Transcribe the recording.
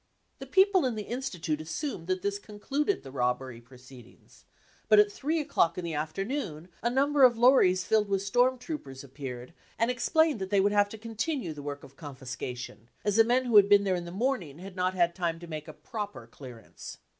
" The people in the Institute assumed that this concluded the robbery proceedings, but at three o'clock in the afternoon a number of lorries filled with storm troopers appeared and explained that they would have to con tinue the work of confiscation, as the men who had been there in the morning had not had time to make a proper clearance.